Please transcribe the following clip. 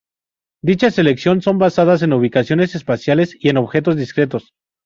Dicha selección son basadas en ubicaciones espaciales y en objetos discretos.